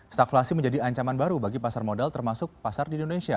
stakflasi menjadi ancaman baru bagi pasar modal termasuk pasar di indonesia